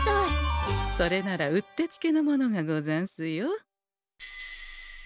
それならうってつけのものがござんすよ。